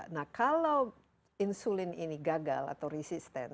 nah kalau insulin ini gagal atau resisten